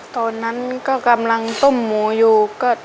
ตอนนั้นก็กำลังต้มหมูอยู่